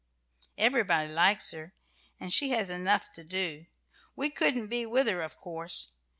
Everybody likes her, and she has enough to do. We couldn't be with her, of course.